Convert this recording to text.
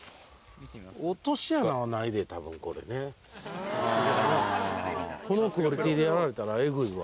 落とし穴はないで、たぶん、このクオリティーでやられたら、えぐいわ。